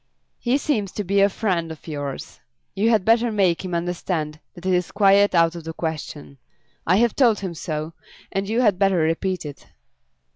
He seems to be a friend of yours. You had better make him understand that it is quite out of the question. I have told him so, and you had better repeat it."